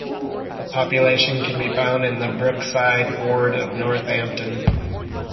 The population can be found in the Brookside ward of Northampton.